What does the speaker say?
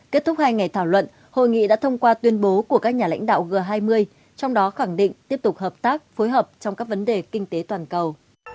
kết thúc hai ngày thảo luận hội nghị đã thông qua tuyên bố của các nhà lãnh đạo g hai mươi trong đó khẳng định tiếp tục hợp tác phối hợp trong các vấn đề kinh tế toàn cầu